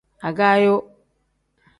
Agaayo.